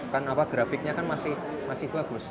kan grafiknya kan masih bagus